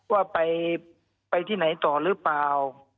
ว่าไปที่ไหนต่อหรือเปล่า